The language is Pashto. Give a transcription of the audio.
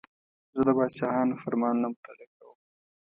زه د پاچاهانو فرمانونه مطالعه کوم.